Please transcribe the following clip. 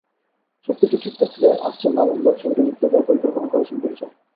সবকিছু ঠিক থাকলে আসছে নভেম্বরে ছবিটি মুক্তি দেওয়ার পরিকল্পনা করছেন পরিচালক।